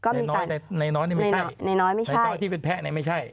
ในน้อยในน้อยนี่ไม่ใช่ในน้อยไม่ใช่ในเจ้าที่เป็นแพะนี่ไม่ใช่